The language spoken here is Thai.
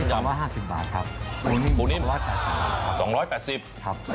หัวนิ่ม๒๕๐บาท๒๘๐บาท